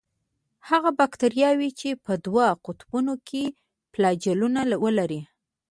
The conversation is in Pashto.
هغه باکتریاوې چې په دوو قطبونو کې فلاجیلونه ولري.